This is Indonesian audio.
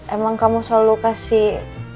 emang kamu selalu kasih